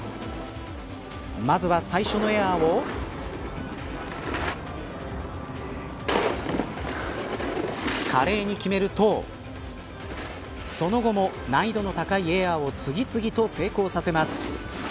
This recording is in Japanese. まずは最初のエアを華麗に決めるとその後も、難易度の高いエアを次々と成功させます。